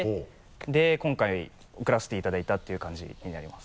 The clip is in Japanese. で今回送らせていただいたっていう感じになります。